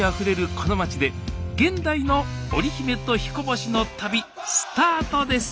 このまちで現代の織姫と彦星の旅スタートです